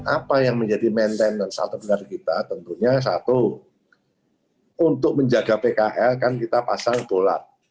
apa yang menjadi maintenance saat sebenarnya kita tentunya satu untuk menjaga pkl kan kita pasang bolat